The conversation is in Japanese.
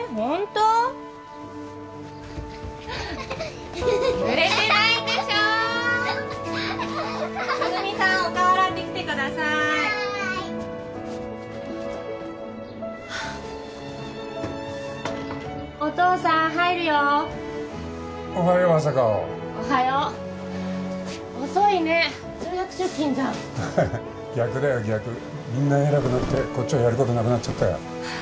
みんな偉くなってこっちはやることなくなっちゃったよ。